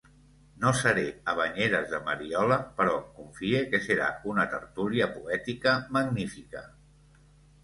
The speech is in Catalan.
No seré a Banyeres de Mariola, però confie que serà una tertúlia poètica magnífica.